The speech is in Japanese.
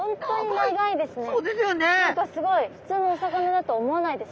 すごい普通のお魚だと思わないです。